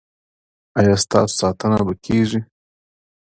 ایا ستاسو ساتنه به کیږي؟